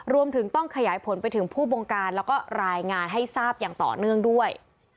รวมถึงต้องขยายผลไปถึงผู้บงการแล้วก็รายงานให้ทราบอย่างต่อเนื่องด้วย